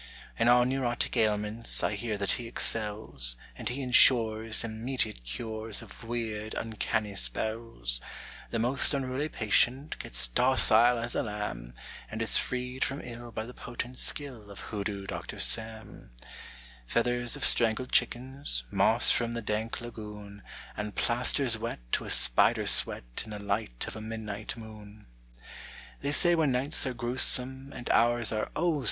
_ In all neurotic ailments I hear that he excels, And he insures Immediate cures Of weird, uncanny spells; The most unruly patient Gets docile as a lamb And is freed from ill by the potent skill Of Hoodoo Doctor Sam; Feathers of strangled chickens, Moss from the dank lagoon, And plasters wet With spider sweat In the light of a midnight moon! They say when nights are grewsome And hours are, oh!